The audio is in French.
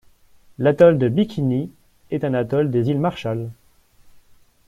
L'atoll de Bikini est un atoll des îles Marshall.